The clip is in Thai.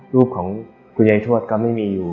รูปของคุณยัยโทษก็ไม่มีอยู่